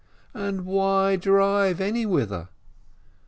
And why drive anywhither?